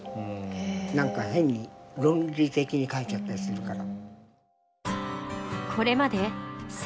何か変に論理的に書いちゃったりするから。